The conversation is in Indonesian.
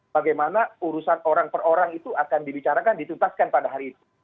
bagaimana urusan orang per orang itu akan dibicarakan dituntaskan pada hari itu